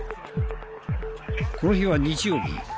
この日は日曜日。